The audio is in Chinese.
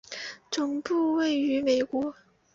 总部位于美国。